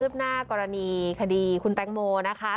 รึพน่ากรณีคดีคุณแป๊งโมนะคะ